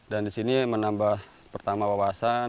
dan di sini menambah pertama wawasan